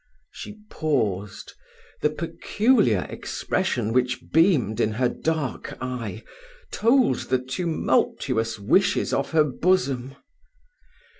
She paused the peculiar expression which beamed in her dark eye, told the tumultuous wishes of her bosom.